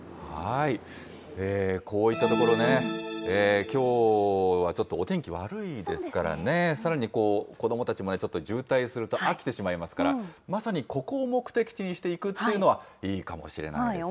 こういった所ね、きょうはちょっとお天気悪いですからね、さらに子どもたちも渋滞すると飽きてしまいますから、まさにここを目的地にして行くっていうのは、いいかもしれないですね。